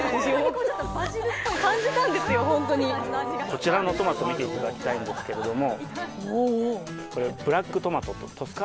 こちらのトマトを見ていただきたいんですけれども。